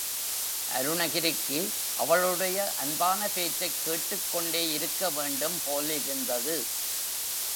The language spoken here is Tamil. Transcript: அருணகிரிக்கு அவளுடைய அன்பான பேச்சைக் கேட்டுக் கொண்டே இருக்க வேண்டும் போலிருந்தது.